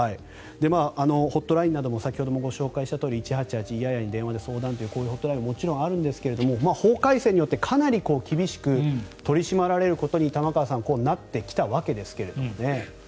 ホットラインなども先ほどもご紹介したとおり１８８、「いやや」に電話で相談とホットラインもありますが法改正によってかなり厳しく取り締まられることに玉川さんなってきたわけですけれど。